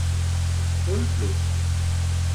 Und los!